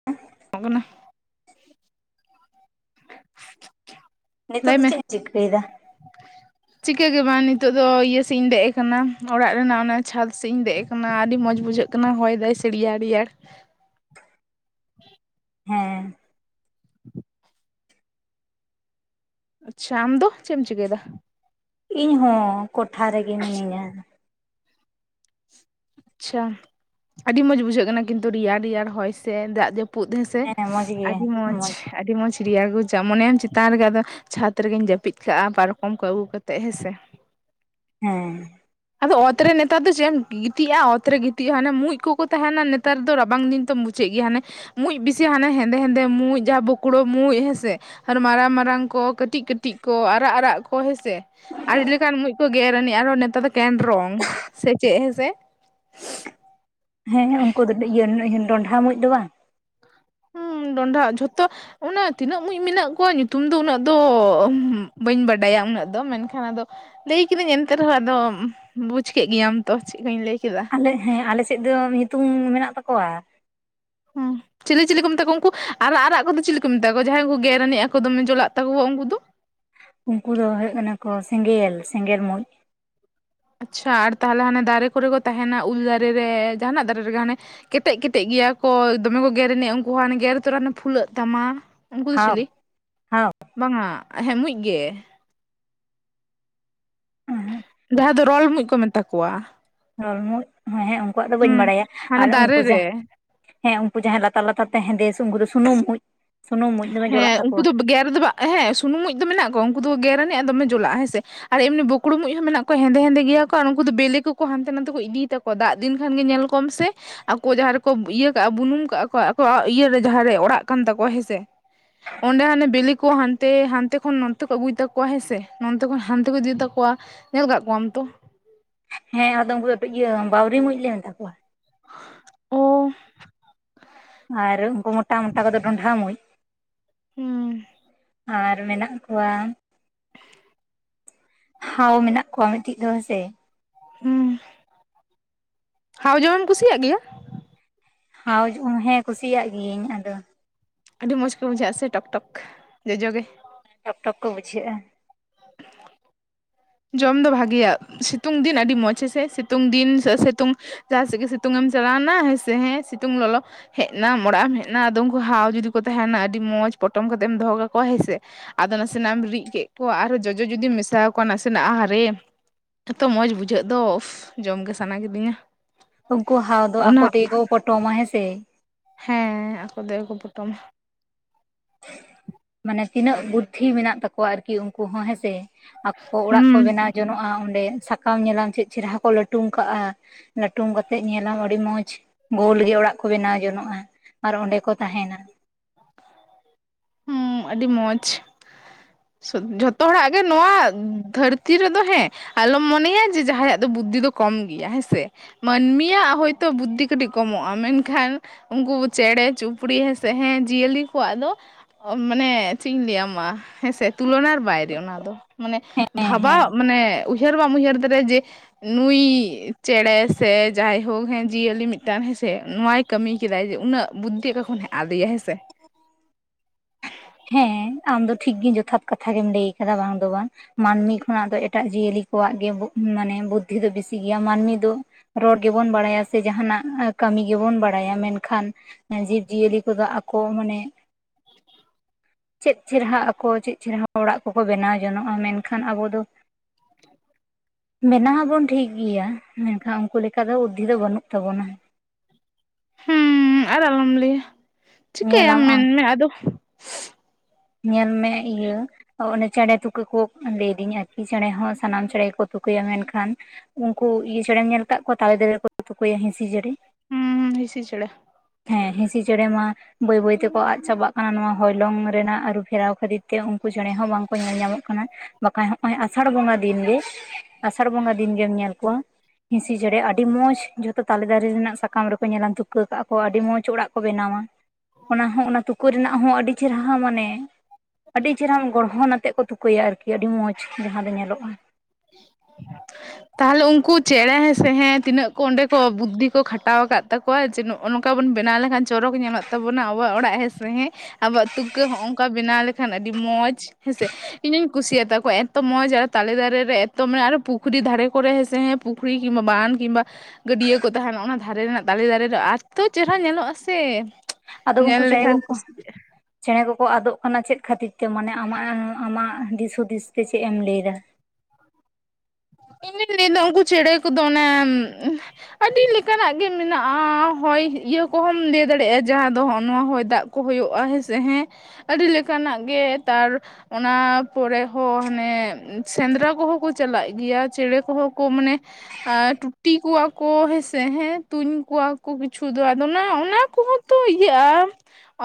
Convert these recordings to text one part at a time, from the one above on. [unintelligible] ᱛ ᱠᱟᱱᱟ [inaudible] ᱱᱤᱛᱚᱜ ᱫᱚ ᱪᱮᱫ ᱪᱤᱠᱟᱹᱭ ᱮᱫᱟ᱾ ᱪᱤᱠᱟᱹᱜ ᱜᱮ ᱵᱟᱝ ᱱᱤᱛᱚᱜ ᱫᱚ ᱤᱭᱟᱹ ᱥᱮᱮᱫ ᱪᱤᱠᱟ. ᱜᱮ ᱵᱟᱝ ᱱᱤᱛᱟᱼᱜ ᱫᱚ ᱤᱭᱟ. ᱥᱮᱱ ᱫᱮᱡ ᱟᱠᱟᱱᱟ ᱚᱲᱟᱜ ᱨᱮᱱᱟᱜ ᱪᱷᱟᱫᱽ ᱥᱮᱮᱫ ᱤᱧ ᱫᱮᱡ ᱟᱠᱟᱱᱟ ᱟᱹᱰᱤ ᱢᱚᱸᱡᱽ ᱵᱩᱡᱷᱟᱹᱜ ᱠᱟᱱᱟ᱾ ᱠᱟᱱᱟ ᱦᱚᱭ ᱫᱟᱭ ᱥᱮ ᱨᱮᱭᱟᱲ ᱨᱮᱭᱟᱲ [unintelligible] ᱦᱮᱸᱻ ᱟᱪᱷᱟ ᱟᱢ ᱫᱚ ᱪᱮᱫ ᱮᱢ ᱪᱤᱠᱟᱹᱭ ᱮᱫᱟ᱾ ᱤᱧ ᱦᱚᱸ ᱠᱚᱴᱷᱟ ᱨᱮᱜᱮ ᱢᱤᱱᱟᱹᱧᱟ᱾ ᱟᱪᱷᱟ ᱟᱹᱰᱤ ᱢᱚᱸᱡᱽ ᱵᱩᱡᱷᱟᱹᱜ ᱠᱟᱱᱟ ᱠᱤᱱᱛᱩ ᱨᱮᱭᱟᱲ ᱨᱮᱭᱟᱲ ᱦᱚᱭ ᱥᱮ ᱫᱟᱜ ᱡᱟᱹᱯᱩᱜ ᱡᱟᱯᱩᱫ ᱦᱮᱸᱥᱮ ᱦᱮᱸ ᱢᱚᱸᱡᱽ ᱜᱮ ᱟᱹᱰᱤ ᱢᱚᱸᱡᱽ ᱟᱹᱰᱤ ᱢᱚᱸᱡᱽ ᱨᱮᱭᱟᱲ ᱵᱩᱡᱟᱹᱜᱼᱟ ᱢᱚᱱᱮᱭᱟᱢ ᱪᱮᱛᱟᱱ ᱨᱮᱜᱮ ᱟᱫᱚ ᱪᱷᱟᱸᱫᱽ ᱨᱮᱜᱤᱧ ᱡᱟᱹᱯᱤᱫ ᱠᱟᱜᱼᱟ ᱯᱟᱨᱠᱚᱢ ᱠᱚ ᱟᱹᱜᱩ ᱠᱟᱛᱮᱫ ᱦᱮᱸᱥᱮ ᱦᱮᱸᱻ ᱟᱫᱚ ᱚᱛ ᱨᱮ ᱱᱮᱛᱟᱨ ᱫᱚ ᱪᱮᱫ ᱮᱢ ᱜᱤᱛᱤᱡᱼᱟ ᱚᱛ ᱨᱮ ᱜᱤᱛᱤᱡ ᱦᱟᱱᱮ ᱢᱩᱸᱡ ᱠᱚᱠᱚ ᱛᱟᱦᱮᱱᱟ ᱱᱮᱛᱟᱨ ᱫᱚ ᱨᱟᱵᱟᱝ ᱫᱤᱱ ᱛ ᱵᱩᱡ ᱪᱮᱫ ᱜᱮ ᱦᱟᱱᱮ ᱢᱩᱸᱡ ᱵᱤᱥᱤ ᱦᱟᱱᱮ ᱦᱮᱸᱫᱮ ᱦᱮᱸᱫᱮ ᱢᱩᱸᱡ ᱡᱟ ᱵᱳᱠᱲᱳ ᱢᱩᱸᱡ ᱦᱮᱸᱥᱮ᱾ ᱟᱨ ᱢᱟᱨᱟᱝ ᱢᱟᱨᱟᱝ ᱠᱚ ᱠᱟᱹᱴᱤᱡ ᱠᱟᱹᱴᱤᱡ ᱠᱚ ᱟᱨᱟᱜ ᱟᱨᱟᱜ ᱠᱚ ᱦᱮᱸᱥᱮ ᱟᱹᱰᱤ ᱞᱮᱠᱟᱱ ᱢᱩᱡ ᱠᱚ ᱜᱮᱨ ᱟᱹᱱᱤᱡ ᱟᱨᱚ ᱱᱮᱛᱟᱨ ᱫᱚ ᱠᱮᱱᱨᱚᱝ ᱥᱮ ᱪᱮᱫ ᱦᱮᱸᱥᱮ᱾ ᱦᱮᱸ ᱩᱱᱠᱩ ᱫᱚ ᱤᱭᱟᱹ ᱰᱚᱸᱰᱷᱟ ᱢᱩᱸᱡ ᱫᱚ ᱵᱟᱝ᱾ ᱦᱩᱸᱻ ᱰᱚᱸᱰᱷᱟ ᱡᱷᱚᱛᱚ ᱚᱱᱟ ᱛᱤᱱᱟᱹᱜ ᱢᱩᱸᱡᱽ ᱢᱮᱱᱟᱜ ᱠᱚᱣᱟ ᱧᱩᱛᱩᱢ ᱫᱚ ᱩᱱᱟᱹᱜ ᱫᱚ ᱵᱟᱹᱧ ᱵᱟᱰᱟᱭᱟ ᱩᱱᱟᱹᱜ ᱫᱚ ᱢᱮᱱᱠᱷᱟᱱ ᱟᱫᱚ᱾ ᱞᱟᱹᱭ ᱠᱤᱫᱟᱹᱧ ᱮᱱᱛᱮ ᱨᱮᱦᱚᱸ ᱟᱫᱚ ᱵᱩᱡᱽ ᱠᱮᱫ ᱜᱮᱭᱟᱢ ᱛᱚ ᱪᱮᱫ ᱠᱟᱧ ᱞᱟᱹᱭ ᱠᱮᱫᱟ᱾ ᱦᱮᱸ ᱟᱞᱮᱥᱮᱫ ᱫᱚ ᱧᱩᱛᱩᱢ ᱢᱮᱱᱟᱜ ᱛᱟᱠᱚᱣᱟ᱾ ᱦᱩᱸ [inaudible] ᱪᱤᱞᱤ ᱪᱤᱞᱤ ᱠᱚ ᱢᱮᱛᱟ ᱠᱚᱣᱟ ᱩᱱᱠᱩ ᱟᱨᱟᱜ ᱟᱨᱟᱜ ᱠᱚᱫᱚ ᱪᱮᱞᱮ ᱠᱚ ᱢᱮᱛᱟ ᱠᱚᱣᱟ ᱡᱟᱦᱟᱸᱭ ᱠᱚ ᱜᱮᱨ ᱮᱱᱤᱡ ᱟᱠᱚ ᱫᱚᱢᱮ ᱡᱚᱞᱟᱜ ᱛᱟᱠᱚᱣᱟ ᱩᱱᱠᱩ ᱫᱚ᱾ ᱩᱱᱠᱩ ᱫᱚ ᱦᱩᱭᱩᱜ ᱠᱟᱱᱟ ᱠᱚ ᱥᱮᱸᱜᱮᱞ ᱥᱮᱸᱜᱮᱞ ᱢᱩᱸᱡᱽ ᱟᱪᱪᱷᱟ ᱟᱨ ᱛᱟᱦᱚᱞᱮ ᱦᱟᱱᱮ ᱫᱟᱨᱮ ᱠᱚᱨᱮ ᱠᱚ ᱛᱟᱦᱮᱱᱟ ᱩᱞ ᱫᱟᱨᱮ ᱨᱮ ᱡᱟᱦᱟᱱᱟᱜ ᱫᱟᱨᱮ ᱨᱮᱜᱮ ᱦᱟᱱᱮ ᱠᱮᱴᱮᱡ ᱠᱮᱴᱮᱡ ᱜᱮᱭᱟ ᱠᱚ ᱫᱚᱢᱮ ᱠᱚ ᱜᱮᱨ ᱟᱱᱤᱡ ᱩᱱᱠᱩ ᱦᱚᱸ ᱦᱟᱱᱮ ᱜᱮᱨ ᱛᱚᱨᱟ ᱯᱷᱩᱞᱟᱹᱜ ᱛᱟᱢᱟ᱾ ᱩᱱᱠᱩ ᱫᱚ ᱦᱟᱣ ᱪᱤᱞᱤ ᱦᱟᱣ ᱵᱟᱝ ᱟ ᱦᱮᱸ ᱢᱩᱸᱡᱽ ᱜᱮ ᱡᱟᱦᱟᱸ ᱫᱚ ᱨᱚᱞ ᱢᱩᱸᱡ ᱠᱚ ᱢᱮᱛᱟ ᱠᱚᱣᱟ ᱨᱚᱞ ᱢᱩᱸᱡᱽ ᱦᱮᱸ ᱦᱮᱸ ᱩᱱᱠᱩᱣᱟᱜ ᱫᱚ ᱵᱟᱹᱧ ᱦᱩᱸ ᱵᱟᱲᱟᱭᱟ ᱦᱟᱱᱮ ᱟᱨ ᱫᱟᱨᱮ ᱩᱱᱠᱩ ᱡᱟᱼᱼ ᱨᱮ ᱦᱮᱸ ᱩᱱᱠᱩ ᱡᱟᱦᱟᱭ ᱞᱟᱛᱟᱨ ᱞᱟᱛᱟᱨ ᱛᱮ ᱦᱮᱸᱫᱮ ᱥᱮ ᱩᱱᱠᱩ ᱫᱚ ᱥᱩᱱᱩᱢ ᱢᱩᱸᱡᱽ ᱦᱮᱸ ᱩᱱᱠᱩ ᱫᱚ ᱜᱮᱨ ᱫᱚ ᱵᱟᱝ ᱦᱮᱸ ᱥᱩᱱᱩ ᱢᱩᱸᱡᱽ ᱫᱚ ᱢᱮᱱᱟᱜ ᱠᱚᱣᱟ ᱩᱱᱠᱩ ᱫᱚ ᱜᱮᱨ ᱟᱹᱱᱤᱡ ᱫᱚᱢᱮ ᱡᱚᱞᱟᱜᱼᱟ ᱦᱮᱸᱥᱮ ᱟᱨ ᱮᱢᱱᱤ ᱵᱳᱠᱲᱳ ᱢᱩᱸᱡᱽ ᱦᱚᱸ ᱢᱮᱱᱟᱜ ᱠᱚᱣᱟ ᱦᱮᱸᱫᱮ ᱦᱮᱸᱫᱮ ᱜᱮᱭᱟ ᱠᱚ ᱟᱨ ᱩᱱᱠᱩ ᱫᱚ ᱵᱮᱹᱞᱮᱹ ᱠᱚᱠᱚ ᱦᱟᱱᱛᱮ ᱱᱟᱛᱮ ᱠᱚ ᱤᱫᱤ ᱛᱟᱠᱚᱼᱼ ᱠᱚ ᱫᱟᱜ ᱫᱤᱱ ᱠᱷᱟᱱ ᱜᱮ ᱧᱮᱞ ᱠᱚᱢ ᱥᱮ ᱟᱠᱚ ᱡᱟᱦᱟᱸ ᱨᱮᱠᱚ ᱤᱭᱟᱹ ᱠᱟᱜᱼᱟ ᱵᱩᱱᱩᱢ ᱠᱟᱜᱼᱟ ᱠᱚ ᱟᱠᱚᱣᱟᱜ ᱤᱭᱟᱹᱨᱮ ᱡᱟᱦᱟᱸ ᱨᱮ ᱚᱲᱟᱜ ᱠᱟᱱ ᱛᱟᱠᱚᱣᱟ ᱦᱮᱸᱥᱮ᱾ ᱚᱸᱰᱮ ᱦᱟᱱᱮ ᱵᱤᱞᱤ ᱠᱚ ᱦᱟᱱ ᱛᱮ ᱦᱟᱱᱛᱮ ᱠᱷᱚᱱ ᱱᱚᱱᱛᱮ ᱠᱚ ᱟᱹᱜᱩᱭ ᱛᱟᱠᱚᱣᱟ ᱦᱮᱸᱥᱮ ᱱᱚᱱᱛᱮ ᱠᱷᱚᱱ ᱦᱟᱱᱛᱮ ᱠᱚ ᱤᱫᱤ ᱛᱟᱠᱚᱣᱟ ᱧᱮᱞ ᱠᱟᱜ ᱠᱚᱣᱟᱢ ᱛᱚ᱾ ᱦᱮᱸᱻ ᱟᱫᱚ ᱩᱱᱠᱩ ᱫᱚ ᱤᱭᱟᱹ ᱵᱟᱣᱨᱤ ᱢᱩᱸᱡᱽ ᱞᱮ ᱢᱮᱛᱟ ᱠᱚᱣᱟ᱾ ᱚᱻ ᱟᱨ ᱩᱱᱠᱩ ᱢᱚᱴᱟ ᱢᱚᱴᱟ ᱠᱚᱫᱚ ᱰᱚᱸᱰᱷᱟ ᱢᱩᱸᱡ ᱦᱩᱸᱻ ᱟᱨ ᱢᱮᱱᱟᱜ ᱠᱚᱣᱟ ᱦᱟᱣ ᱢᱮᱱᱟᱜ ᱠᱚᱣᱟ ᱢᱤᱫ ᱴᱤᱡ ᱫᱚ ᱦᱮᱸ ᱥᱮ ᱦᱮᱸ ᱦᱟᱣ ᱡᱚᱢᱮᱢ ᱠᱩᱥᱤᱭᱟᱜ ᱜᱮᱭᱟ ᱦᱟᱣ ᱦᱮᱸ ᱠᱩᱥᱤᱭᱟᱜ ᱜᱤᱭᱟᱹᱧ ᱟᱫᱚ ᱟᱹᱰᱤ ᱢᱚᱡᱽ ᱠᱚ ᱵᱩᱡᱷᱟᱹᱜᱼᱟ ᱥᱮ ᱴᱚᱠ ᱴᱚᱠ ᱡᱚᱡᱚ ᱜᱮ ᱴᱚᱠ ᱴᱚᱠ ᱠᱚ ᱵᱩᱡᱷᱟᱹᱜᱼᱟ ᱡᱚᱢ ᱫᱚ ᱵᱷᱟᱜᱮᱭᱟ ᱥᱤᱛᱩᱝ ᱫᱤᱱ ᱟᱹᱰᱤ ᱢᱚᱸᱡᱽ ᱦᱮᱸ ᱥᱮ ᱥᱤᱛᱩᱝ ᱫᱤᱱ ᱥᱤᱛᱩᱝᱼᱼ ᱡᱟᱦᱟᱸ ᱥᱮᱛ ᱜᱮ ᱥᱤᱛᱩᱝ ᱮᱢ ᱪᱟᱞᱟᱣ ᱮᱱᱟ ᱦᱮᱸᱥᱮ ᱦᱮᱸ ᱥᱤᱛᱩᱝ ᱞᱚᱞᱚ ᱦᱮᱡ ᱮᱱᱟᱢ ᱚᱲᱟᱜ ᱮᱢ ᱦᱮᱡ ᱮᱱᱟ ᱟᱫᱚ ᱩᱱᱠᱩ ᱦᱟᱣ ᱡᱩᱫᱤ ᱠᱚ ᱛᱟᱦᱮᱸᱱᱟ ᱟᱹᱰᱤ ᱢᱚᱸᱡᱽ ᱯᱚᱴᱚᱢ ᱠᱟᱛᱮᱢ ᱫᱚᱦᱚ ᱠᱟᱠᱚᱣᱟ ᱦᱮᱸᱥᱮ ᱟᱫᱚ ᱱᱟᱥᱮ ᱱᱟᱜ ᱮᱢ ᱨᱤᱫ ᱠᱮᱫ ᱠᱚᱣᱟ ᱟᱨᱚ ᱡᱚᱡᱚ ᱡᱩᱫᱤᱢ ᱢᱮᱥᱟ ᱠᱚᱣᱟ ᱱᱟᱥᱮᱱᱟᱜ ᱥᱮᱱᱟᱜᱼᱟ ᱨᱮ ᱮᱛᱚ ᱢᱚᱡᱽ ᱵᱩᱡᱷᱟᱹᱜ ᱫᱚ ᱡᱚᱢ ᱜᱮ ᱥᱟᱱᱟ ᱠᱤᱫᱤᱧᱟ ᱩᱱᱠᱩ ᱦᱟᱣ ᱫᱚ ᱟᱠᱚ ᱚᱱᱟ ᱛᱮ ᱜᱮ ᱠᱚ ᱯᱚᱴᱚᱢᱟ ᱦᱮᱸᱥᱮ ᱦᱮᱸ ᱟᱠᱚ ᱛᱮᱜᱮ ᱠᱚ ᱯᱚᱴᱚᱢᱟ᱾ ᱢᱟᱱᱮ ᱛᱤᱱᱟᱹᱜ ᱵᱩᱫᱽᱫᱷᱤ ᱢᱮᱱᱟᱜ ᱛᱟᱠᱚᱣᱟ ᱟᱨᱠᱤ ᱩᱱᱠᱩ ᱦᱚᱸ ᱦᱮᱸᱥᱮ ᱟᱠᱚ ᱚᱲᱟᱜ ᱠᱚ ᱦᱩᱸ ᱵᱮᱱᱟᱣ ᱡᱚᱱᱚᱜᱼᱟ ᱚᱸᱰᱮ ᱥᱟᱠᱟᱢ ᱧᱮᱞᱟᱢ ᱪᱮᱫ ᱪᱮᱨᱦᱟ ᱠᱚ ᱞᱟᱹᱴᱩᱢ ᱠᱟᱜᱼᱟ᱾ ᱞᱟᱹᱴᱩᱢ ᱠᱟ ᱠᱟᱛᱮᱫ ᱧᱮᱞᱟᱢ ᱟᱹᱰᱤ ᱢᱚᱸᱡᱽ ᱜᱳᱞ ᱜᱮ ᱚᱲᱟᱜ ᱠᱚ ᱵᱮᱱᱟᱣ ᱡᱚᱱᱚᱜᱼᱟ ᱟᱨ ᱚᱸᱰᱮ ᱠᱚ ᱛᱟᱦᱮᱸᱱᱟ᱾ ᱦᱩᱸ ᱟᱹᱰᱤ ᱢᱚᱡᱽ᱾ ᱡᱷᱚᱛᱚ ᱦᱚᱲᱟᱜ ᱜᱮ ᱱᱚᱣᱟ ᱫᱷᱟᱹᱨᱛᱤ ᱨᱮᱫᱚ ᱦᱮᱸ ᱟᱞᱚᱢ ᱢᱚᱱᱮᱭᱟ ᱡᱮ ᱡᱟᱦᱟᱸᱭᱟᱜ ᱫᱚ ᱵᱩᱫᱽᱫᱷᱤ ᱫᱚ ᱠᱚᱢ ᱜᱮᱭᱟ ᱦᱮᱸ ᱥᱮ ᱢᱟᱹᱱᱢᱤᱭᱟᱜ ᱦᱚᱭᱛᱳ ᱵᱩᱫᱽᱫᱷᱤ ᱠᱟᱹᱴᱤᱡ ᱠᱚᱢᱚᱜᱼᱟ ᱢᱮᱱᱠᱷᱟᱱ ᱩᱱᱠᱩ ᱪᱮᱬᱮ ᱪᱩᱯᱲᱤ ᱦᱮᱸᱥᱮ ᱡᱤᱭᱟᱹᱞᱤ ᱠᱚᱣᱟᱜ ᱫᱚ ᱢᱟᱱᱮ ᱪᱮᱫ ᱤᱧ ᱞᱟᱹᱭᱟᱢᱟ ᱦᱮᱸᱥᱮ ᱛᱩᱞᱚᱱᱟᱨ ᱵᱟᱭᱨᱮ ᱚᱱᱟᱫᱚ᱾ ᱢᱟᱱᱮ ᱦᱮᱸ ᱦᱮᱸ ᱵᱷᱟᱵᱟᱣ ᱢᱟᱱᱮ ᱩᱭᱦᱟᱹᱨ ᱵᱟᱢ ᱩᱭᱦᱟᱹᱨ ᱫᱟᱨᱮ ᱡᱮ ᱱᱩᱭ ᱪᱮᱬᱮ ᱥᱮ ᱡᱟᱭᱦᱳᱠ ᱡᱤᱭᱟᱹᱞᱤ ᱢᱤᱫᱴᱟᱱ ᱦᱮᱸᱥᱮ ᱱᱚᱣᱟᱭ ᱠᱟᱹᱢᱤ ᱠᱮᱫᱟᱭ ᱡᱮ ᱩᱱᱟᱹᱜ ᱵᱩᱫᱽᱫᱷᱤ ᱚᱠᱟ ᱠᱷᱚᱱ ᱦᱮᱡ ᱟᱫᱮᱭᱟ ᱦᱮᱸ ᱥᱮ ᱦᱮᱸ ᱟᱢᱫᱚ ᱴᱷᱤᱠ ᱜᱮ ᱡᱚᱛᱷᱟᱛ ᱠᱟᱛᱷᱟ ᱜᱮᱢ ᱞᱟᱹᱭ ᱟᱠᱟᱫᱟ ᱵᱟᱝ ᱫᱚ ᱵᱟᱝ ᱢᱟᱹᱱᱢᱤ ᱠᱷᱚᱱᱟᱜ ᱫᱚ ᱮ ᱴᱟᱜ ᱡᱤᱭᱟᱹᱞᱤ ᱠᱚᱣᱟᱜ ᱜᱮ ᱢᱟᱱᱮ ᱵᱩᱫᱽᱫᱷᱤ ᱫᱚ ᱵᱤᱥᱤ ᱜᱮᱭᱟ ᱢᱟᱹᱱᱢᱤ ᱫᱚ ᱨᱚᱲ ᱜᱮᱵᱚᱱ ᱵᱟᱲᱟᱭᱟ ᱥᱮ ᱡᱟᱦᱟᱸᱱᱟᱜ ᱠᱟᱹᱢᱤ ᱜᱮᱵᱚᱱ ᱵᱟᱲᱟᱭᱟ ᱢᱮᱱᱠᱷᱟᱱ ᱡᱤᱵᱽ ᱡᱤᱭᱟᱹᱞᱤ ᱠᱚ ᱫᱚ ᱟᱠᱚ ᱢᱟᱱᱮ ᱪᱮᱫ ᱪᱮᱨᱦᱟ ᱟᱠᱚ ᱪᱮᱫ ᱪᱮᱨᱦᱟ ᱚᱲᱟᱜ ᱠᱚ ᱠᱚ ᱵᱮᱱᱟᱣ ᱡᱚᱱᱚᱜᱼᱟ ᱢᱮᱱᱠᱷᱟᱱ ᱟᱵᱚ ᱫᱚ ᱵᱮᱱᱟᱣ ᱦᱟᱵᱚᱱ ᱴᱷᱤᱠ ᱜᱮᱭᱟ ᱢᱮᱱᱠᱷᱟᱱ ᱩᱱᱠᱩ ᱞᱮᱠᱟ ᱫᱚ ᱵᱩᱨᱫᱽᱫᱷᱤ ᱫᱚ ᱵᱟᱹᱱᱩᱜ ᱛᱟᱵᱚᱱᱟ᱾ ᱦᱩᱸ ᱟᱨ ᱟᱞᱚᱢ ᱞᱟᱹᱭᱟ, ᱪᱤᱠᱟᱹᱭᱟᱢ ᱧᱮᱞᱟᱢ ᱟᱢ ᱢᱮᱱ ᱢᱮ ᱟᱫᱚ᱾ ᱧᱮᱞ ᱢᱮ ᱤᱭᱟᱹ ᱚᱱᱮ ᱪᱮᱬᱮ ᱛᱩᱠᱟᱹ ᱠᱚ ᱞᱟᱹᱭ ᱫᱤᱧ ᱟᱨᱠᱤ ᱪᱮᱬᱮ ᱦᱚᱸ ᱥᱟᱱᱟᱢ ᱪᱮᱬᱮ ᱜᱮᱠᱚ ᱛᱩᱠᱟᱹᱭᱟ ᱢᱮᱱᱠᱷᱟᱱ ᱩᱱᱠᱩ ᱤᱭᱟᱹ ᱪᱮᱬᱮᱢ ᱧᱮᱞ ᱟᱠᱟᱫ ᱠᱚᱣᱟ ᱛᱟᱞᱮ ᱫᱟᱨᱮ ᱨᱮ ᱠᱚ ᱛᱩᱠᱟᱹᱭᱟ ᱦᱤᱸᱥᱤ ᱪᱮᱬᱮ? ᱦᱩᱸ ᱦᱤᱥᱤ ᱪᱮᱬᱮ᱾ ᱦᱮᱸ ᱦᱤᱥᱤ ᱪᱮᱬᱮ ᱢᱟ ᱵᱟᱹᱭ ᱵᱟᱹᱭ ᱛᱮᱠᱚ ᱟᱫ ᱪᱟᱵᱟᱜ ᱠᱟᱱᱟ ᱱᱚᱣᱟ ᱦᱚᱭᱞᱚᱝ ᱨᱮᱱᱟᱜ ᱯᱷᱮᱨᱟᱣ ᱠᱷᱟᱹᱛᱤᱨ ᱛᱮ ᱩᱱᱠᱩ ᱪᱮᱬᱮ ᱦᱚᱸ ᱵᱟᱝᱠᱚ ᱧᱮᱞ ᱧᱟᱢᱚᱜ ᱠᱟᱱᱟ᱾ ᱵᱟᱠᱷᱟᱱ ᱦᱚᱸᱜ ᱚᱭ ᱟᱥᱟᱲ ᱵᱚᱸᱜᱟ ᱫᱤᱱ ᱜᱮ ᱟᱥᱟᱲ ᱵᱚᱸᱜᱟ ᱫᱤᱱ ᱜᱮᱢ ᱧᱮᱞ ᱠᱚᱣᱟ ᱦᱤᱸᱥᱤ ᱪᱮᱬᱮ ᱟᱹᱰᱤ ᱢᱚᱸᱡᱽ ᱡᱷᱚᱛᱚ ᱛᱟᱞᱮ ᱫᱟᱨᱮ ᱨᱮᱱᱟᱜ ᱥᱟᱠᱟᱢ ᱨᱮᱠᱚ ᱧᱮᱞᱟᱢ ᱛᱩᱠᱟᱹ ᱠᱟᱜ ᱠᱚ ᱟᱹᱰᱤ ᱢᱚᱸᱡᱽ ᱚᱲᱟᱜ ᱠᱚ ᱵᱮᱱᱟᱣᱟ ᱚᱱᱟ ᱦᱚᱸ ᱚᱱᱟ ᱛᱩᱠᱟᱹ ᱨᱮᱱᱟᱜ ᱦᱚᱸ ᱟᱹᱰᱤ ᱪᱮᱨᱦᱟ ᱢᱟᱱᱮ ᱟᱹᱰᱤ ᱪᱮᱦᱨᱟᱱ ᱜᱚᱲᱦᱚᱱ ᱟᱛᱮᱜ ᱠᱚ ᱛᱩᱠᱟᱹᱭᱟ ᱟᱨᱠᱤ ᱟᱹᱰᱤ ᱢᱚᱸᱡᱽ ᱡᱟᱦᱟᱸ ᱫᱚ ᱧᱮᱞᱚᱜᱼᱟ᱾ ᱛᱟᱦᱚᱞᱮ ᱩᱱᱠᱩ ᱪᱮᱬᱮ ᱦᱮᱸ ᱥᱮ ᱦᱮᱸ ᱛᱤᱱᱟᱹᱜ ᱠᱚ ᱚᱸᱰᱮ ᱠᱚ ᱵᱩᱫᱽᱫᱷᱤ ᱠᱚ ᱠᱷᱟᱴᱟᱣ ᱟᱠᱟᱫ ᱛᱟᱠᱚᱣᱟ ᱡᱮᱱᱚ ᱚᱱᱠᱟ ᱵᱚ ᱵᱮᱱᱟᱣ ᱞᱮᱠᱷᱟᱱ ᱪᱚᱨᱚᱠ ᱧᱮᱞᱚᱜ ᱛᱟᱵᱚᱱᱟ ᱟᱵᱚᱣᱟ ᱚᱲᱟᱜ ᱦᱮᱸ ᱥᱮ ᱦᱮᱸ ᱟᱵᱚᱣᱟᱜ ᱛᱩᱠᱟᱹ ᱦᱚᱸᱚᱝᱠᱟ ᱵᱮᱱᱟᱣ ᱞᱮᱠᱷᱟᱱ ᱟᱹᱰᱤ ᱢᱚᱸᱡᱽ ᱦᱮᱸᱥᱮ ᱤᱧᱤᱧ ᱠᱩᱥᱤᱭᱟᱛᱟ ᱠᱚᱣᱟ ᱮᱛᱚ ᱢᱚᱡᱽ ᱟᱨ ᱛᱟᱞᱮ ᱫᱟᱨᱮ ᱨᱮ ᱮᱛᱚ ᱢᱟᱱᱮ ᱟᱨᱚ ᱯᱩᱠᱷᱨᱤ ᱫᱷᱟᱨᱮ ᱠᱚᱨᱮ ᱦᱮᱸᱥᱮ ᱯᱩᱠᱷᱨᱤ ᱠᱤᱢᱵᱟ ᱵᱟᱱ ᱠᱤᱢᱵᱟ ᱜᱟᱹᱰᱭᱟᱹ ᱠᱚ ᱛᱟᱦᱮᱸᱱᱟ ᱚᱱᱟ ᱫᱷᱟᱨᱮ ᱨᱮᱱᱟᱜ ᱛᱟᱞᱮ ᱫᱟᱨᱮ ᱨᱮ ᱮᱛᱛᱚ ᱪᱮᱦᱨᱟ ᱧᱮᱞᱚᱜᱼᱟ ᱥᱮ ᱟᱫᱚ ᱧᱮᱞ ᱩᱱᱠᱩ ᱪᱮᱬᱮ ᱞᱮᱠᱷᱟᱱ ᱠᱚᱠᱚ ᱠᱩᱥᱤᱜᱼᱟ ᱪᱮᱬᱮ ᱠᱚ ᱠᱚ ᱟᱫᱚᱜ ᱠᱟᱱᱟ ᱪᱮᱫ ᱠᱷᱟᱹᱛᱤᱨ ᱛᱮ ᱢᱟᱱᱮ ᱟᱢᱟᱜ ᱟᱢᱟᱜ ᱫᱤᱥ ᱦᱩᱫᱤᱥ ᱛᱮ ᱪᱮᱫ ᱮᱢ ᱞᱟᱹᱭ ᱫᱟ? ᱤᱧ ᱫᱩᱧ ᱞᱟᱹᱭᱫᱟ ᱩᱱᱠᱩ ᱪᱮᱬᱮ ᱠᱚᱫᱚ ᱚᱱᱮ ᱟᱹᱰᱤ ᱞᱮᱠᱟᱱᱟᱜ ᱜᱮ ᱢᱮᱱᱟᱜᱼᱟ ᱦᱚᱭ ᱤᱭᱟᱹ ᱠᱚᱦᱚᱢ ᱞᱟᱹᱭ ᱫᱟᱲᱮᱭᱟᱜᱼᱟ ᱡᱟᱦᱟᱸ ᱫᱚ ᱦᱚᱜᱼᱚ ᱱᱚᱣᱟ ᱦᱚᱭ ᱫᱟᱜ ᱠᱚ ᱦᱩᱭᱩᱜᱼᱟ ᱦᱮᱸᱥᱮ ᱦᱮᱸ ᱟᱹᱰᱤ ᱞᱮᱠᱟᱱᱟᱜ ᱜᱮ ᱛᱟᱨ ᱚᱱᱟ ᱯᱚᱨᱮ ᱦᱚᱸ ᱦᱟᱱᱮ ᱥᱮᱸᱫᱽᱨᱟ ᱠᱚ ᱦᱚᱸ ᱠᱚ ᱪᱟᱞᱟᱜ ᱜᱮ ᱜᱮᱭᱟ ᱪᱮᱬᱮ ᱠᱚᱦᱚᱸ ᱠᱚ ᱢᱟᱱᱮ ᱟᱨ ᱴᱩᱴᱤ ᱠᱚᱣᱟ ᱠᱚ ᱦᱮᱸᱥᱮ ᱦᱮᱸ ᱛᱩᱧ ᱠᱚᱣᱟ ᱠᱚ ᱠᱤᱪᱷᱩ ᱫᱚ ᱟᱫᱚ ᱱᱟ ᱚᱱᱟ ᱠᱚ ᱦᱚᱸ ᱛᱚ ᱤᱭᱟᱹᱜᱼᱟ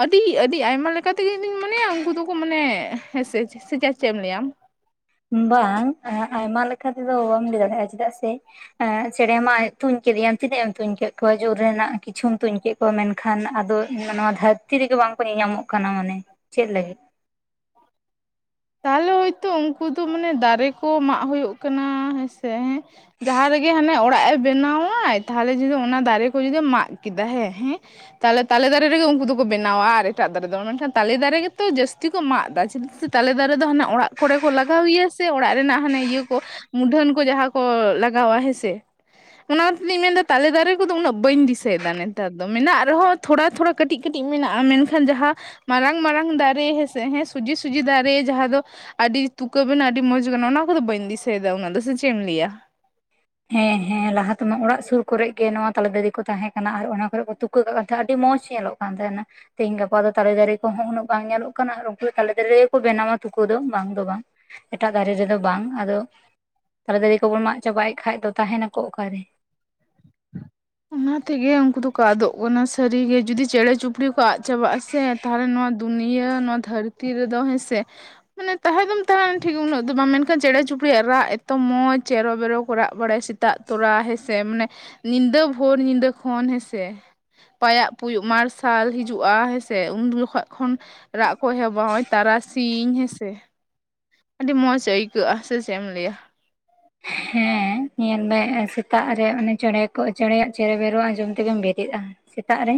ᱟᱹᱰᱤ ᱟᱹᱰᱤ ᱟᱭᱢᱟ ᱞᱮᱠᱟ ᱛᱮ ᱜᱮ ᱤᱧᱫᱩᱧ ᱢᱚᱱᱮᱭᱟ ᱩᱱᱠᱩ ᱫᱚ ᱠᱚ ᱢᱟᱱᱮ ᱦᱮᱸ ᱥᱮ ᱪᱮᱫ ᱪᱮᱫ ᱮᱢ ᱞᱟᱹᱭᱟ ᱟᱢ? ᱵᱟᱝ ᱟᱭᱢᱟ ᱞᱮᱠᱟ ᱛᱮ ᱫᱚ ᱵᱟᱢ ᱞᱟᱹᱭ ᱫᱟᱲᱮᱭᱟᱜᱼᱟ ᱪᱮᱫᱟᱜ ᱥᱮ ᱪᱮᱬᱮ ᱢᱟ ᱛᱩᱧ ᱠᱮᱫ ᱠᱚᱣᱟᱢ ᱛᱤᱱᱟᱹᱜ ᱮᱢ ᱛᱩᱧ ᱠᱮᱫ ᱠᱚᱣᱟ ᱡᱳᱨ ᱨᱮᱱᱟᱜ ᱠᱤᱪᱷᱩᱢ ᱛᱩᱧ ᱠᱮᱫ ᱢᱮᱱᱠᱷᱟᱱ ᱟᱫᱚ ᱱᱚᱣᱟ ᱫᱷᱟᱹᱨᱛᱤ ᱨᱮᱜᱮ ᱵᱟᱝᱠᱚ ᱧᱮᱞᱧ ᱟᱢᱚᱜ ᱠᱟᱱᱟ ᱢᱟᱱᱮ ᱪᱮᱫ ᱞᱟᱹᱜᱤᱫ ᱛᱟᱦᱚᱞᱮ ᱦᱚᱭᱛᱳ ᱩᱱᱠᱩ ᱫᱚ ᱢᱟᱱᱮ ᱫᱟᱨᱮ ᱠᱚ ᱢᱟᱜ ᱦᱩᱭᱩᱜ ᱠᱟᱱᱟ ᱦᱮᱸᱥᱮ ᱦᱮᱸ ᱡᱟᱦᱟᱸ ᱨᱮ ᱜᱮ ᱦᱟᱱᱮ ᱚᱲᱟᱜ ᱮ ᱵᱮᱱᱟᱣᱟᱭ ᱛᱟᱦᱚᱞᱮ ᱡᱩᱫᱤ ᱚᱱᱟ ᱫᱟᱨᱮ ᱠᱚ ᱡᱩᱫᱤᱢ ᱢᱟᱜ ᱠᱮᱫᱟ ᱦᱮᱸ ᱦᱮᱸ ᱛᱟᱦᱚᱞᱮ ᱛᱟᱞᱮ ᱫᱟᱨᱮ ᱨᱮ ᱜᱮ ᱩᱱᱠᱩ ᱫᱚ ᱠᱚ ᱵᱮᱱᱟᱣᱟ ᱟᱨ ᱮᱴᱟᱜ ᱫᱟᱨᱮ ᱫᱚ ᱢᱮᱱᱠᱷᱟᱱ ᱛᱟᱞᱮ ᱫᱟᱨᱮ ᱨᱮ ᱜᱮᱛᱚ ᱡᱟᱹᱥᱛᱤ ᱠᱚ ᱢᱟᱜ ᱮᱫᱟ ᱪᱮᱫᱟᱜ ᱥᱮ ᱛᱟᱞᱮ ᱫᱟᱨᱮ ᱫᱚ ᱦᱟᱱᱮ ᱚᱲᱟᱜ ᱠᱚᱨᱮ ᱠᱚ ᱞᱟᱜᱟᱣ ᱜᱮᱭᱟ ᱥᱮ ᱚᱲᱟᱜ ᱨᱮᱱᱟᱜ ᱦᱟᱱᱮ ᱤᱭᱟᱹ ᱠᱚ ᱢᱩᱫᱷᱟᱹᱱ ᱠᱚ ᱡᱟᱦᱟᱸ ᱠᱚ ᱞᱟᱜᱟᱣᱟ ᱦᱮᱸᱥᱮ ᱚᱱᱟ ᱛᱮᱧ ᱢᱮᱱᱫᱟ ᱛᱟᱞᱮ ᱫᱟᱨᱮ ᱠᱚ ᱫᱚ ᱩᱱᱟᱹᱜ ᱵᱟᱹᱧ ᱫᱤᱥᱟᱹᱭᱮᱫᱟ ᱱᱮᱛᱟᱨ ᱫᱚ ᱢᱮᱱᱟᱜ ᱨᱮ ᱦᱚᱸ ᱛᱷᱚᱲᱟ ᱛᱷᱚᱲᱟ ᱠᱟᱹᱴᱤᱡ ᱠᱟᱹᱴᱤᱡ ᱢᱮᱱᱟᱜᱼᱟ ᱢᱮᱱᱠᱷᱟᱱ ᱡᱟᱦᱟᱸ ᱢᱟᱨᱟᱝ ᱢᱟᱨᱟᱝ ᱫᱟᱨᱮ ᱦᱮᱸᱥᱮ ᱦᱮᱸ ᱥᱩᱡᱤ ᱥᱩᱡᱤ ᱫᱟᱨᱮ ᱡᱟᱦᱟᱸ ᱫᱚ ᱟᱹᱰᱤ ᱛᱩᱠᱟᱹ ᱵᱮᱱᱟ ᱟᱹᱰᱤ ᱢᱚᱸᱡᱽ ᱜᱟᱱᱚᱜ-ᱟ ᱚᱱᱟ ᱠᱚ ᱫᱚ ᱵᱟᱹᱧ ᱫᱤᱥᱟᱹᱭᱮᱫᱟ ᱩᱱᱟᱹᱜ ᱫᱚ ᱥᱮ ᱪᱮᱫ ᱮᱢ ᱞᱟᱹᱭᱟ ᱦᱮᱸ ᱦᱮᱸ ᱞᱟᱦᱟ ᱛᱮ ᱢᱟ ᱚᱲᱟᱜ ᱥᱩᱨ ᱠᱚ ᱨᱮ ᱜᱮ ᱱᱚᱣᱟ ᱛᱟᱞᱮ ᱫᱟᱨᱤ ᱠᱚ ᱛᱟᱦᱮᱸ ᱠᱟᱱᱟ ᱟᱨ ᱚᱱᱟ ᱠᱚᱨᱮ ᱠᱚ ᱛᱩ ᱠᱟᱹ ᱠᱟᱜ ᱛᱟᱦᱮᱸᱱᱟ ᱟᱹᱰᱤ ᱢᱚᱸᱡᱽ ᱧᱮᱞᱚᱜ ᱠᱟᱱ ᱛᱟᱦᱮᱸᱱᱟ ᱛᱮᱦᱤᱧ ᱜᱟᱯᱟ ᱫᱚ ᱛᱟᱞᱮ ᱫᱟᱨᱮ ᱠᱚᱦᱚᱸ ᱩᱱᱟᱹᱜ ᱵᱟᱝ ᱧᱮᱞᱚᱜ ᱠᱟᱱᱟ ᱩᱱᱠᱩ ᱛᱟᱞᱮ ᱫᱟᱨᱮ ᱨᱮ ᱠᱚ ᱵᱮᱱᱟᱣᱟ ᱛᱩᱠᱟᱹ ᱫᱚ ᱵᱟᱝ ᱫᱚ ᱵᱟᱝ ᱮᱴᱟᱜ ᱫᱟᱨᱮ ᱨᱮᱫᱚ ᱵᱟᱝ ᱟᱫᱚ ᱛᱟᱞᱮ ᱫᱟᱨᱮ ᱠᱚᱵᱚᱱ ᱢᱟᱜ ᱪᱟᱵᱟᱭᱮᱫ ᱠᱷᱟᱱ ᱟᱫᱚ ᱛᱟᱦᱮᱸᱱᱟᱠᱚ ᱚᱠᱟᱨᱮ ᱚᱱᱟ ᱛᱮ ᱜᱮ ᱩᱱᱠᱩ ᱫᱚ ᱠᱚ ᱟᱫᱚᱜ ᱠᱟᱱᱟ ᱥᱟᱹᱨᱤ ᱜᱮ ᱡᱩᱫᱤ ᱪᱮᱬᱮ ᱪᱩᱯᱲᱤ ᱠᱚ ᱟᱫ ᱪᱟᱵᱟᱜ ᱟᱥᱮ ᱛᱟᱦᱚᱞᱮ ᱱᱚᱣᱟ ᱫᱩᱱᱤᱭᱟᱹ ᱱᱚᱣᱟ ᱫᱷᱟᱹᱨᱛᱤ ᱨᱮ ᱫᱚ ᱦᱮᱸ ᱥᱮ ᱢᱟᱱᱮ ᱛᱟᱦᱮᱸ ᱫᱚᱢ ᱛᱟᱦᱮᱸᱱᱟ ᱴᱷᱤᱠ ᱩᱱᱟᱹᱜ ᱫᱚ ᱵᱟᱝ ᱢᱮᱱᱠᱷᱟᱱ ᱪᱮᱬᱮ ᱪᱩᱯᱲᱤᱭᱟᱜ ᱨᱟᱜ ᱮᱛᱚ ᱢᱚᱸᱡᱽ ᱪᱮᱨᱚ ᱵᱮᱨᱚ ᱠᱚ ᱨᱟᱜ ᱵᱟᱲᱟᱭᱟ ᱥᱮᱛᱟᱜ ᱛᱚᱨᱟ ᱦᱮᱸᱥᱮ ᱢᱟᱱᱮ ᱧᱤᱫᱟᱹ ᱵᱷᱳᱨ ᱧᱤᱫᱟᱹ ᱠᱷᱚᱱ ᱦᱮᱸᱥᱮ ᱯᱟᱭᱟᱜ ᱯᱩᱭᱩᱜ ᱢᱟᱨᱥᱟᱞ ᱦᱤᱡᱩᱜᱼᱟ ᱦᱮᱸᱥᱮ ᱩᱱ ᱡᱚᱠᱷᱚᱱ ᱠᱷᱚᱱ ᱨᱟᱜ ᱠᱚ ᱮᱦᱚᱵᱟ ᱦᱚᱭ ᱛᱟᱨᱟ ᱥᱤᱧ ᱦᱮᱸᱥᱮ ᱟᱹᱰᱤ ᱢᱚᱡᱽ ᱟᱹᱭᱠᱟᱹᱜᱼᱟ ᱥᱮ ᱪᱮᱫ ᱮᱢ ᱞᱟᱹᱭᱟ ᱦᱮᱸ ᱧᱮᱞ ᱢᱮ ᱥᱮᱛᱟᱜ ᱨᱮ ᱚᱱᱮ ᱪᱮᱬᱮ ᱠᱚ ᱪᱮᱬᱮᱭᱟᱜ ᱪᱮᱨᱚ ᱵᱮᱨᱚᱜ ᱟᱸᱡᱚᱢ ᱛᱮᱜᱮᱢ ᱵᱮᱨᱮᱫᱼᱟ ᱥᱮᱛᱟᱜ ᱨᱮ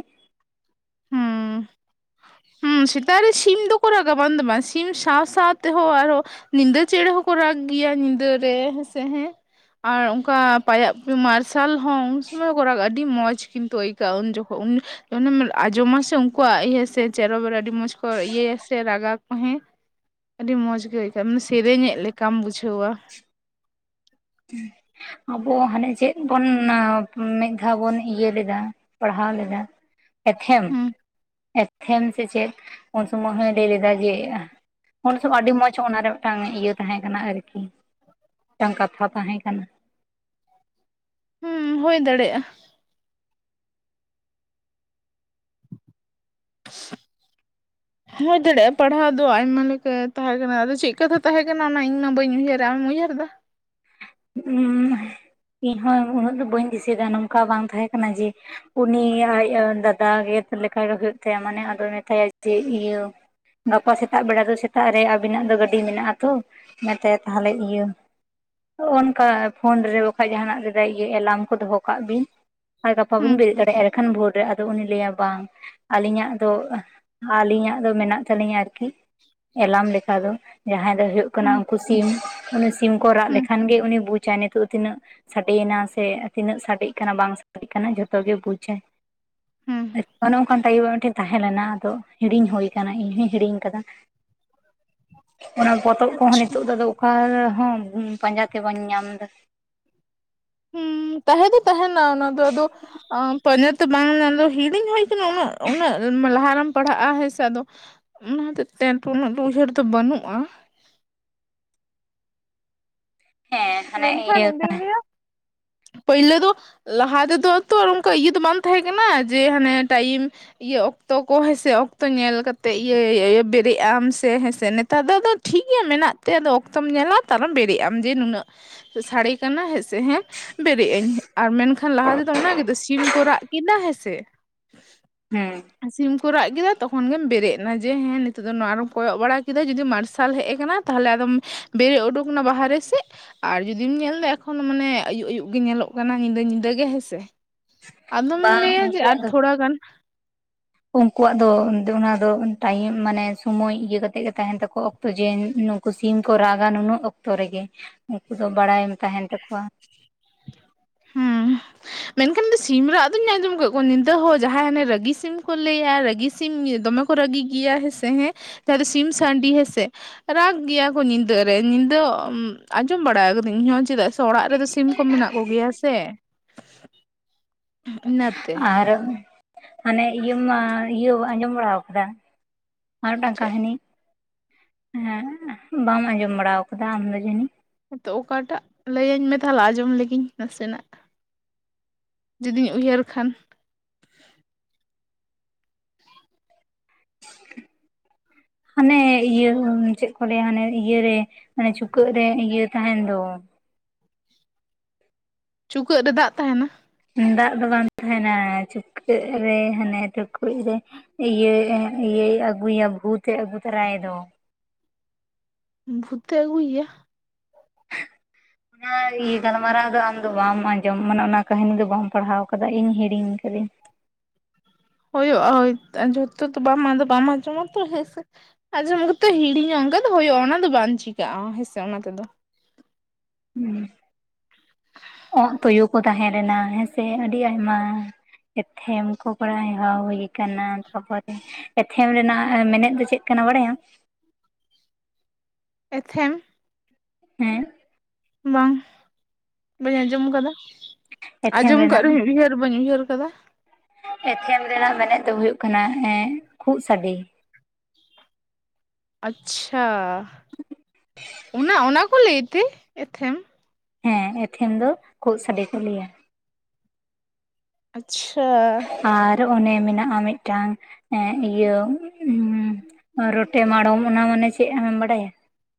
ᱦᱩᱸ [inaudible] ᱦᱩᱸ ᱥᱮᱛᱟᱜ ᱨᱮ ᱥᱤᱢ ᱫᱚ ᱠᱚ ᱨᱟᱜᱟ ᱵᱟᱝ ᱫᱚ ᱵᱟᱝ ᱥᱤᱢ ᱥᱟᱶ ᱥᱟᱶᱛᱮ ᱦᱚᱸ ᱟᱨᱚ ᱧᱤᱫᱟᱹ ᱪᱮᱬᱮ ᱦᱚᱸ ᱠᱚ ᱨᱟᱜ ᱜᱮᱭᱟ ᱧᱤᱫᱟᱹᱨᱮ ᱦᱮᱸᱥᱮ ᱦᱮᱸ ᱟᱨ ᱚᱱᱠᱟ ᱯᱟᱭᱟᱜ ᱯᱩᱭᱩᱜ ᱢᱟᱨᱥᱟᱞ ᱦᱚᱸ ᱩᱱ ᱥᱚᱢᱚᱭ ᱦᱚᱸ ᱠᱚ ᱨᱟᱜᱟ ᱟᱹᱰᱤ ᱢᱚᱡᱽ ᱠᱤᱱᱛᱩ ᱟᱹᱭᱠᱟᱹᱜᱼᱟ ᱩᱱ ᱡᱚᱠᱷᱚᱱ ᱩᱱ ᱚᱱᱟ [unintelligible] ᱟᱸᱡᱚᱢᱟᱥᱮ ᱩᱱᱠᱩᱣᱟᱜ ᱤᱭᱟᱹ ᱥᱮ ᱪᱮᱨᱚ ᱵᱮᱨᱚ ᱟᱹᱰᱤ ᱢᱚᱸᱡᱽ ᱠᱚ ᱤᱭᱟᱹᱭᱟ ᱥᱮ ᱨᱟᱜ ᱠᱚ ᱦᱮᱸ ᱟᱹᱰᱤ ᱢᱚᱡᱽ ᱜᱮ ᱟᱹᱭᱠᱟᱹᱜᱼᱟ ᱢᱟᱱᱮ ᱥᱮᱨᱮᱧᱮᱫ ᱞᱮᱠᱟᱢ ᱵᱩᱡᱷᱟᱹᱣᱟ ᱟᱵᱚ ᱦᱟᱱᱮ ᱪᱮᱫ ᱵᱩᱱ ᱢᱤᱫ ᱫᱷᱟᱣ ᱵᱩᱱ ᱤᱭᱟᱹ ᱞᱮᱫᱟ ᱯᱟᱲᱦᱟᱣ ᱞᱮᱫᱟ ᱮᱛᱷᱮᱢ ᱦᱩᱸ ᱮᱛᱷᱮᱢ ᱥᱮ ᱪᱮᱫ ᱩᱱ ᱥᱚᱢᱚᱭ ᱦᱚᱭ ᱞᱟᱹᱭ ᱞᱮᱫᱟ ᱡᱮ ᱩᱱ ᱥᱚᱢᱟᱭ ᱟᱹᱰᱤ ᱢᱚᱸᱡᱽ ᱚᱱᱟᱨᱮ ᱢᱤᱫᱴᱟᱝ ᱤᱭᱟᱹ ᱛᱟᱦᱮᱸ ᱠᱟᱱᱟ ᱟᱨᱠᱤ ᱢᱤᱫᱴᱟᱝ ᱠᱟᱛᱷᱟ ᱛᱟᱦᱮᱸ ᱠᱟᱱᱟ ᱦᱩᱸ ᱦᱩᱭ ᱫᱟᱲᱮᱭᱟᱜᱼᱟ [unintelligible] ᱦᱚᱭ ᱫᱟᱲᱮᱭᱟᱜᱼᱟ ᱯᱟᱲᱦᱟᱣ ᱫᱚ ᱟᱭᱢᱟ ᱞᱮᱠᱟ ᱛᱟᱦᱮᱸ ᱠᱟᱱᱟ ᱟᱫᱚ ᱪᱮᱫ ᱠᱟᱛᱷᱟ ᱛᱟᱦᱮᱸ ᱠᱟᱱᱟ ᱚᱱᱟ ᱤᱧ ᱢᱟ ᱵᱟᱹᱧ ᱩᱭᱦᱟᱹᱨᱟ ᱟᱢ ᱩᱭᱦᱟᱹᱨᱮᱫᱟ ᱩ ᱤᱧ ᱦᱚᱸ ᱩᱱᱟᱹᱜ ᱫᱚ ᱵᱟᱹᱧ ᱫᱤᱥᱟᱹᱭᱮᱫᱟ ᱱᱚᱝᱠᱟ ᱵᱟᱝ ᱛᱟᱦᱮᱸ ᱠᱟᱱᱟ ᱡᱮ ᱩᱱᱤ ᱟᱡ ᱫᱟᱫᱟ ᱞᱮᱠᱟᱜᱮ ᱦᱩᱭᱩᱜ ᱛᱟᱭᱟ ᱢᱟᱱᱮ ᱟᱫᱚᱭ ᱢᱮᱛᱟᱭᱟ ᱡᱮ ᱤᱭᱟᱹ ᱜᱟᱯᱟ ᱥᱮᱛᱟᱜ ᱵᱮᱲᱟ ᱫᱚ ᱥᱮᱛᱟᱜ ᱨᱮ ᱟᱵᱤᱱᱟᱜ ᱫᱚ ᱜᱟᱹᱰᱤ ᱢᱮᱱᱟᱜᱼᱟ ᱛᱚ ᱚᱱᱟᱛᱮ ᱛᱟᱦᱚᱞᱮ ᱤᱭᱟᱹ ᱚᱱᱠᱟ ᱯᱷᱳᱱ ᱨᱮ ᱵᱟᱠᱷᱟᱡ ᱡᱟᱦᱟᱱᱟᱜ ᱨᱮᱫ ᱮᱞᱟᱨᱢ ᱠᱚ ᱫᱚᱦᱚ ᱠᱟᱜ ᱵᱤᱱ ᱟᱨ ᱜᱟᱯᱟ ᱵᱤᱱ ᱦᱩᱸ ᱵᱮᱨᱮᱫ ᱫᱟᱲᱮᱭᱟᱜᱼᱟ ᱮᱱᱠᱷᱟᱱ ᱵᱷᱳᱨ ᱨᱮ ᱟᱫᱚ ᱩᱱᱤ ᱞᱟᱹᱭᱟ ᱵᱟᱝ ᱟᱹᱞᱤᱧᱟᱜ ᱫᱚ ᱟᱹᱞᱤᱧᱟᱜ ᱫᱚ ᱢᱮᱱᱟᱜ ᱛᱟᱹᱞᱤᱧᱟ ᱟᱨᱠᱤ ᱮᱞᱟᱢ ᱞᱮᱠᱟ ᱫᱚ ᱡᱟᱦᱟᱸᱭ ᱫᱚ ᱦᱩᱭᱩᱜ ᱠᱟᱱᱟ ᱦᱩᱸ ᱩᱱᱠᱩ ᱥᱤᱢ ᱩᱱᱤ ᱥᱤᱢ ᱠᱚ ᱨᱟᱜ ᱦᱩᱸ ᱞᱮᱠ ᱮᱱ ᱠᱷᱟᱱᱜ ᱜᱮ ᱩᱱᱤ ᱵᱩᱡᱟᱭ ᱱᱤᱛᱚᱜ ᱛᱤᱱᱟᱹᱜ ᱥᱟᱰᱮᱭᱮᱱᱟ ᱥᱮ ᱛᱤᱱᱟᱹᱜ ᱥᱟᱰᱮᱜ ᱠᱟᱱᱟ ᱵᱟᱝ ᱥᱟᱰᱮᱜ ᱠᱟᱱᱟ ᱡᱷᱚᱛᱚ ᱜᱮ ᱵᱩᱡᱟᱭ ᱦᱩᱸ ᱚᱱᱮ ᱚᱱᱠᱟᱱ ᱴᱟᱭᱤᱯ ᱨᱮᱱᱟᱜ ᱢᱤᱫ ᱴᱮᱱ ᱛᱟᱦᱮᱸ ᱞᱮᱱᱟ ᱟᱫᱚ ᱦᱤᱲᱤᱧ ᱦᱳᱭ ᱟᱠᱟᱱᱟ ᱤᱧ ᱦᱚᱧ ᱦᱤᱲᱤᱧ ᱟᱠᱟᱫᱟ [inaudible] ᱚᱱᱟ ᱯᱚᱛᱚᱵ ᱠᱚ ᱦᱚᱸ ᱟᱪᱪᱷᱟ ᱱᱤᱛᱳᱜ ᱫᱚ ᱚᱠᱟ ᱦᱚᱸ ᱯᱟᱸᱡᱟ ᱛᱮ ᱵᱟᱹᱧ ᱧᱟᱢᱫᱟ ᱦᱩᱸ ᱛᱟᱦᱮᱸ ᱫᱚ ᱛᱟᱦᱮᱸᱱᱟ ᱚᱱᱟ ᱫᱚ ᱟᱫᱚ ᱯᱟᱹᱧᱡᱟ ᱛᱮ ᱵᱟᱝ ᱧᱟᱢᱟᱜᱼᱟ ᱦᱤᱲᱤᱧ ᱦᱩᱭ ᱩᱱᱹᱟᱜ ᱩᱱᱟᱹᱜ ᱞᱟᱦᱟᱸ ᱨᱮᱢ ᱯᱟᱲᱦᱟᱜᱼᱟ ᱦᱮᱸ ᱥᱮ ᱟᱫᱚ ᱚᱱᱟ ᱦᱚᱛᱮᱡ ᱛᱮ ᱩᱱᱟᱹᱜ ᱫᱚ ᱩᱭᱦᱟᱹᱨ ᱫᱚ ᱵᱟᱹᱱᱩᱜᱼᱟ ᱦᱮᱸ ᱦᱟᱱᱮ ᱢᱮᱱᱠᱷᱟᱱ ᱤᱭᱟᱹ ᱤᱧ ᱫᱩᱧ ᱞᱟᱹᱭ-ᱟ ᱯᱟᱭᱞᱟᱹ ᱫᱚ ᱞᱟᱦᱟ ᱛᱮᱫᱚ ᱛᱚ ᱚᱱᱠᱟ ᱤᱭᱟᱹ ᱫᱚ ᱵᱟᱝ ᱛᱟᱦᱮᱸ ᱠᱟᱱᱟ ᱡᱮ ᱦᱟᱱᱮ ᱴᱟᱭᱤᱢ ᱤᱭᱟᱹ ᱚᱠᱛᱚ ᱠᱚ ᱦᱮᱸᱥᱮ ᱚᱠᱛᱚ ᱧᱮᱞ ᱠᱟᱛᱮᱫ ᱤᱭᱟᱹ ᱵᱮᱨᱮᱜ ᱟᱢ ᱥᱮ ᱦᱮᱸᱥᱮ ᱱᱮᱛᱟᱨ ᱫᱚ ᱫᱚ ᱴᱷᱤᱠ ᱜᱮᱭᱟ ᱢᱮᱱᱟᱜ ᱛᱮ ᱟᱫᱚ ᱚᱠᱛᱚᱢ ᱧᱮᱞᱟ ᱛᱟᱨᱮ ᱵᱮᱨᱮᱜ ᱟᱢ ᱡᱮ ᱱᱩᱱᱟᱹᱜ ᱥᱟᱹᱲᱤ ᱠᱟᱱᱟ ᱦᱮᱸ ᱥᱮ ᱦᱮᱸ ᱵᱮᱨᱮᱫ ᱟᱹᱧ ᱟᱨ ᱢᱮᱱᱠᱷᱟᱱ ᱞᱟᱦᱟ ᱛᱮᱫᱚ ᱚᱱᱟᱜᱮᱛᱚ ᱥᱤᱢ ᱠᱚ ᱨᱟᱜ ᱠᱮᱫᱟ ᱦᱮᱸᱥᱮ ᱦᱮᱸ ᱥᱤᱢ ᱠᱚ ᱨᱟᱜ ᱠᱮᱫᱟ ᱛᱚᱠᱷᱚᱱ ᱜᱮᱢ ᱵᱮᱨᱮᱫ ᱥᱤᱢ ᱠᱚ ᱨᱟᱜ ᱠᱮᱫᱟ ᱛᱚᱠᱷᱚᱱ ᱜᱮᱢ ᱵᱮᱨᱮᱫ ᱱᱟ ᱡᱮ ᱦᱮᱸ ᱱᱤᱛᱚᱜ ᱫᱚ ᱱᱚᱣᱟ ᱨᱮᱢ ᱠᱚᱭᱚᱜ ᱵᱟᱲᱟ ᱠᱮᱫᱟ ᱡᱩᱫᱤ ᱢᱟᱨᱥᱟᱞ ᱦᱮᱡ ᱟᱠᱟᱱᱟ ᱛᱟᱦᱚᱞᱮ ᱟᱫᱚᱢ ᱵᱮᱨᱮᱫ ᱩᱰᱩᱠᱱᱟ ᱵᱟᱦᱨᱮ ᱥᱮᱪ ᱟᱨ ᱡᱩᱫᱤᱢ ᱧᱮᱞ ᱮᱫᱟ ᱮᱠᱷᱚᱱ ᱢᱟᱱᱮ ᱟᱹᱭᱩᱵ ᱟᱭᱭᱩᱵ ᱜᱮ ᱧᱮᱞᱚᱜ ᱠᱟᱱᱟ ᱧᱤᱫᱟᱹ ᱧᱤᱫᱟᱹ ᱜᱮ ᱦᱮᱸᱥᱮ ᱟᱫᱚᱢ ᱵᱟᱝ ᱞᱟᱹᱭᱟ ᱡᱮ ᱩᱱᱠᱩᱣᱟᱜ ᱟᱨ ᱫᱚ ᱛᱷᱚᱲᱟ ᱜᱟᱱ ᱩᱱᱠᱩᱣᱟᱜ ᱫᱚ ᱚᱱᱟ ᱫᱚ ᱴᱟᱭᱤᱢ ᱢᱟᱱᱮ ᱥᱚᱢᱚᱭ ᱤᱭᱟᱹ ᱠᱟᱛᱮᱫ ᱜᱮ ᱛᱟᱸᱦᱮᱱ ᱛᱟᱠᱚ ᱚᱠ ᱚ ᱡᱮ ᱱᱩᱠᱩ ᱥᱤᱢ ᱠᱚ ᱨᱟᱜᱟ ᱱᱩᱱᱟᱹᱜ ᱚᱠᱛᱚ ᱨᱮᱜᱮ ᱩᱱᱠᱩ ᱫᱚ ᱵᱟᱲᱟᱭ ᱛᱟᱸᱦᱮᱱ ᱛᱟᱠᱚᱣᱟ ᱦᱩᱸ [inaudible] ᱢᱮᱱᱠᱷᱟᱱ ᱥᱤᱢ ᱨᱟᱜ ᱫᱚᱩᱧ ᱟᱸᱡᱚᱢ ᱠᱟᱫ ᱠᱚᱣᱟ ᱧᱤᱫᱟᱹ ᱦᱚᱸ ᱡᱟᱦᱟᱸᱭ ᱦᱟᱱᱮ ᱨᱟᱹᱜᱤ ᱥᱤᱢ ᱠᱚ ᱞᱟᱹᱭᱟ ᱨᱟᱹᱜᱤ ᱥᱤᱢ ᱫᱚᱢᱮ ᱠᱚ ᱨᱟᱹᱜᱤ ᱜᱮᱭᱟ ᱦᱮᱸ ᱥᱮ ᱦᱮᱸ ᱥᱤᱢ ᱥᱟᱺᱰᱤ ᱦᱮᱸ ᱥᱮ ᱨᱟᱜᱽ ᱜᱮᱭᱟ ᱠᱚ ᱧᱤᱫᱟᱹ ᱨᱮ ᱧᱤᱫᱟᱹ ᱟᱸᱡᱚᱢ ᱵᱟᱲᱟ ᱟᱠᱟᱹᱫᱟᱹᱧ ᱦᱚᱸ ᱪᱮᱫᱟᱜ ᱥᱮ ᱚᱲᱟᱜ ᱨᱮᱫᱚ ᱥᱤᱢ ᱠᱚ ᱢᱮᱱᱟᱜ ᱠᱚᱜᱮᱭᱟ ᱥᱮ ᱤᱱᱟᱹᱛᱮ ᱟᱨ ᱢᱟᱱᱮ ᱤᱭᱟᱹ ᱤᱭᱟᱹ ᱟᱸᱡᱚᱢ ᱵᱟᱲᱟ ᱠᱟᱫᱟ ᱟᱨ ᱢᱤᱫᱴᱟᱝ ᱪᱮᱫ ᱠᱟᱹᱦᱱᱤ ᱵᱟᱢ ᱟᱸᱡᱚᱢ ᱵᱟᱲᱟ ᱟᱠᱟᱫᱟ ᱟᱢ ᱫᱚ ᱡᱟᱹᱱᱤᱡ ᱦᱮᱸ ᱛᱳ ᱚᱠᱟᱴᱟᱜ ᱞᱟᱹᱭᱟᱹᱧ ᱢᱮ ᱛᱟᱦᱚᱞᱮ ᱟᱸᱡᱚᱢ ᱞᱮᱜᱤᱧ ᱱᱟᱥᱮᱱᱟᱜ ᱡᱩᱫᱤᱧ ᱩᱭᱦᱟᱹᱨ ᱠᱷᱟᱱ ᱦᱟᱱᱮ ᱤᱭᱟᱹ ᱪᱮᱫ ᱠᱚ ᱞᱟᱹᱭᱟ ᱦᱟᱱᱮ ᱤᱭᱟᱹ ᱨᱮᱼᱼ ᱦᱟᱱᱮ ᱪᱩᱠᱟᱹᱜ ᱨᱮ ᱤᱭᱟᱹ ᱛᱟᱦᱮᱱ ᱫᱚ ᱪᱩᱠᱟᱹᱜ ᱨᱮ ᱫᱟᱜ ᱛᱟᱸᱦᱮᱱᱟ ᱫᱟᱜ ᱫᱚ ᱵᱟᱝ ᱛᱟᱹᱦᱮᱱᱟ ᱪᱩᱠᱟᱹᱜ ᱨᱮ ᱦᱟᱱᱮ ᱴᱩᱠᱩᱡ ᱨᱮᱼᱼ ᱤᱭᱟᱹ ᱤᱭᱟᱹᱭ ᱟᱹᱜᱩᱭᱟ ᱵᱷᱩᱛ ᱮ ᱟᱹᱜᱩ ᱛᱚᱨᱟᱭ ᱫᱚ ᱵᱷᱩᱛ ᱮ ᱟᱹᱜᱩᱭ ᱮᱭᱟ? [unintelligible] ᱚᱱᱟ ᱤᱭᱟᱹ ᱜᱟᱞᱢᱟᱨᱟᱣ ᱫᱚ ᱟᱢ ᱫᱚ ᱵᱟᱢ ᱟᱸᱡᱚᱢ, ᱢᱟᱱᱮ ᱚᱱᱟ ᱠᱟᱹᱦᱱᱤ ᱫᱚ ᱵᱟᱢ ᱯᱟᱲᱦᱟᱣ ᱠᱟᱫᱟ ᱤᱧ ᱦᱤᱲᱤᱧ ᱠᱟᱫᱟᱹᱧ ᱦᱩᱭᱩᱜᱼᱟ ᱡᱚᱛᱚ ᱵᱟᱝ ᱟᱫᱚ ᱵᱟᱢ ᱟᱸᱡᱚᱢᱟᱛᱚ ᱦᱮᱸᱥᱮᱼᱼ ᱟᱡᱚᱢ ᱠᱟᱛᱮ ᱦᱤᱲᱤᱧᱚᱜ ᱚᱱᱠᱟ ᱫᱚ ᱦᱩᱭᱩᱜᱼᱟ ᱚᱱᱟ ᱫᱚ ᱵᱟᱝ ᱪᱤᱠᱟᱹᱜᱼᱟ ᱦᱮᱸᱥᱮ ᱚᱱᱟ ᱛᱮᱫᱚ᱾ ᱚᱸᱜ ᱛᱩᱭᱩ ᱠᱚ ᱛᱟᱦᱮᱸ ᱞᱮᱱᱟ ᱦᱮᱸᱥᱮ ᱟᱹᱰᱤ ᱟᱭᱢᱟ᱾ ᱮᱛᱷᱮᱢ ᱠᱚ ᱯᱟᱲᱦᱟᱣ ᱦᱩᱭ ᱠᱟᱱᱟ ᱛᱟᱨᱯᱚᱨ᱾ ᱮᱛᱷᱮᱢ ᱨᱮᱱᱟᱜ ᱮᱸ ᱢᱮᱱᱮᱛ ᱫᱚ ᱪᱮᱫ ᱠᱟᱱᱟ ᱵᱟᱲᱟᱭᱟᱢ? ᱮᱛᱷᱮᱢ ᱦᱮᱸ ᱵᱟᱝ ᱵᱟᱹᱧ ᱟᱸᱡᱚᱢ ᱟᱠᱟᱫᱟ ᱮᱛᱷᱮᱢ ᱟᱸᱡᱚᱢ ᱟᱠᱟᱫ ᱨᱮᱱᱟᱜ ᱨᱮᱦᱚᱸᱧ ᱩᱭᱦᱟᱹᱨ ᱵᱟᱹᱧ ᱩᱭᱦᱟᱹᱨ ᱟᱠᱟᱫᱟ᱾ ᱮᱛᱷᱮᱢ ᱨᱮᱱᱟᱜ ᱢᱮᱱᱮᱫ ᱫᱚ ᱦᱩᱭᱩᱜ ᱠᱟᱱᱟ ᱠᱷᱩᱜ ᱥᱟᱹᱰᱮ᱾ ᱟᱪᱪᱷᱟ ᱚᱱᱟ ᱚᱱᱟ ᱠᱚ ᱞᱟᱹᱭᱛᱮ ᱮᱛᱷᱮᱢ? ᱦᱮᱸ ᱮᱛᱷᱮᱢ ᱫᱚ ᱠᱷᱳᱜ ᱥᱟᱰᱮ ᱠᱚ ᱞᱟᱹᱭᱟ ᱟᱪᱪᱷᱟ᱾ ᱟᱨ ᱚᱱᱮ ᱢᱮᱱᱟᱜᱼᱟ ᱢᱤᱫᱴᱟᱝ ᱤᱭᱟᱹᱼᱼ ᱦᱩᱢ ᱨᱚᱴᱮ ᱢᱟᱲᱚᱢ ᱚᱱᱟ ᱢᱟᱱᱮ ᱪᱮᱫ ᱟᱢᱮᱢ ᱵᱟᱲᱟᱭᱟ?